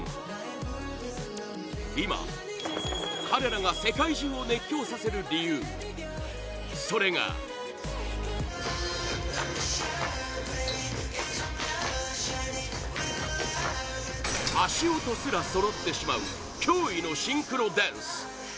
今、彼らが世界中を熱狂させる理由それが足音すらそろってしまう驚異のシンクロダンス！